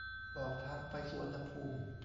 บอกทางไปสุวรรณภูมิ